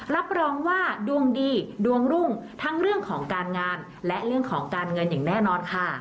รับรองว่าดวงดีดวงรุ่งทั้งเรื่องของการงานและเรื่องของการเงินอย่างแน่นอนค่ะ